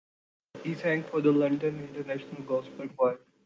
He sang for the London International Gospel Choir.